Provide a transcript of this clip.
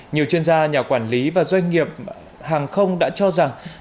nhiều chuyên gia nhà quản lý và doanh nghiệp hàng không đã cho rằng